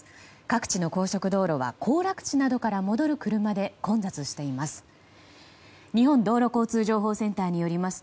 各地の高速道路が行楽地などから戻る車で混雑しています。